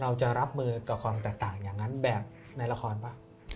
เราจะรับมือกับความแตกต่างอย่างนั้นแบบในละครป่ะ